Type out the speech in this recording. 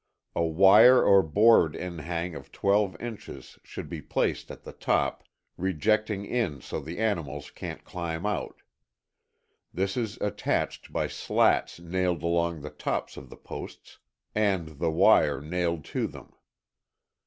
A wire or board inhang of twelve inches, should be placed at the top rejecting in so the animals canŌĆÖt climb out. This is attached by slats nailed along the tops of the posts and the wire nailed to them.